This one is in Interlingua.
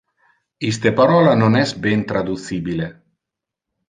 Iste parola non es ben traducibile.